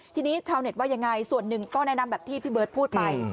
ทีนี้ชาวเน็ตว่ายังไงส่วนหนึ่งก็แนะนำแบบที่พี่เบิร์ตพูดไป